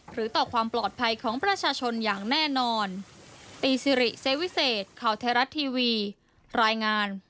หรือต่อความปลอดภัยของประชาชนอย่างแน่นอน